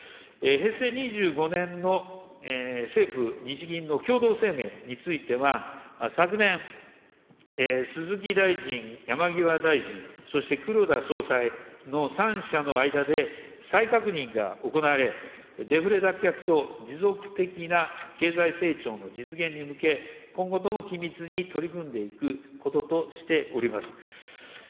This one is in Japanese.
平成２５年の政府・日銀の共同声明については、昨年、鈴木大臣、山際大臣、そして黒田総裁の３者の間で、再確認が行われ、デフレ脱却と持続的な経済成長の実現に向け、今後とも緊密に取り組んでいくこととしております。